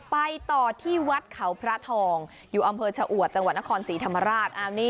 ไปต่อที่วัดเขาพระทองอยู่อำเภอชะอวดจังหวัดนครศรีธรรมราช